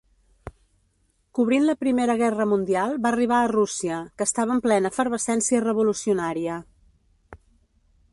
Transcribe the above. Cobrint la Primera Guerra mundial va arribar a Rússia, que estava en plena efervescència revolucionària.